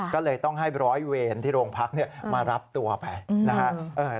ก็เลยต้องให้ร้อยเวรที่โรงพักมารับตัวไปนะครับ